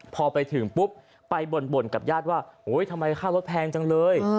พอไปถึงปุ๊บไปบ่นกับญาติว่าทำไมค่ารถแพงจังเลย